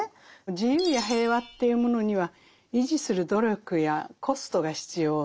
自由や平和というものには維持する努力やコストが必要になりますね。